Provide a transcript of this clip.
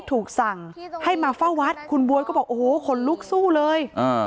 ถูกสั่งให้มาเฝ้าวัดคุณบ๊วยก็บอกโอ้โหขนลุกสู้เลย